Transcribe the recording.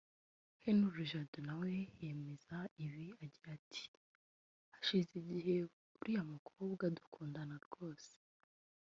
Henri Jado nawe yemeza ibi agira ati “hashize igihe uriya mukobwa dukundana rwose